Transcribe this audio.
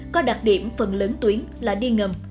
có đặc điểm phần lớn tuyến là đi ngầm